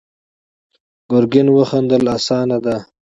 ګرګين وخندل: اسانه ده.